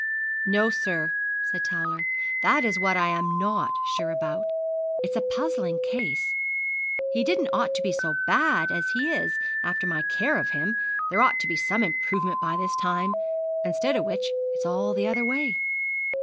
'No, sir,' said Towler; 'that is what I am not sure about. It's a puzzling case. He didn't ought to be so bad as he is after my care of him. There ought to be some improvement by this time; instead of which it's all the other way.'